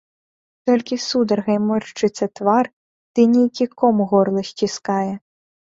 Толькі сударгай моршчыцца твар ды нейкі ком горла сціскае.